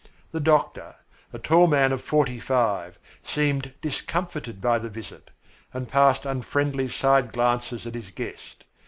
The doctor, a tall man of forty five, seemed discomfited by the visit, and passed unfriendly side glances at his guest.